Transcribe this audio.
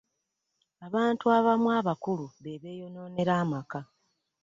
Abantu abamu abakulu be beeyonoonera amaka.